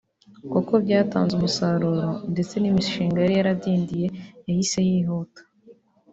kuko byatanze umusaruro ndetse n’imishinga yari yaradindindiye yahise yihuta